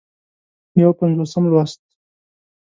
یو پينځوسم لوست